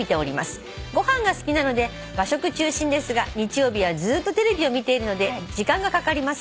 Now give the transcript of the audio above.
「ご飯が好きなので和食中心ですが日曜日はずっとテレビを見ているので時間がかかります」